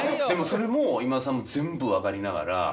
でもそれも今田さん全部分かりながら。